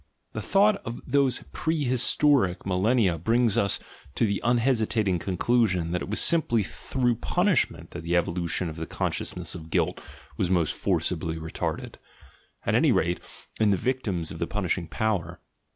The thought of those prehistoric millennia brings us to the unhesitating conclusion, that it was simply through punishment that the evolution of the consciousness of guilt was most forc ibly retarded — at any rate in the victims of the punishing power.